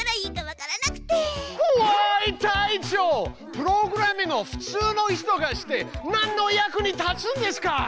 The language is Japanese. プログラミングをふつうの人が知ってなんの役に立つんですか！？